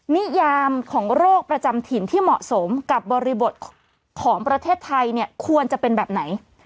นิยามของโรคประจำถิ่นที่เหมาะสมกับบริบทของประเทศไทยเนี่ยควรจะเป็นแบบไหน